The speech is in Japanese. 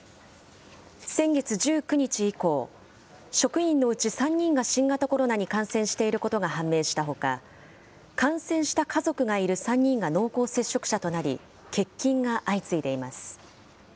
先月１９日以降、職員のうち３人が新型コロナに感染していることが判明したほか、感染した家族がいる３人が濃厚接触者となり、欠勤が相次いでいます。